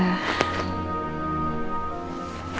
lagi banyak pikiran